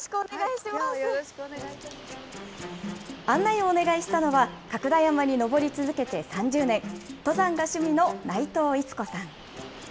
案内をお願いしたのは、角田山に登り続けて３０年、登山が趣味の内藤逸子さん。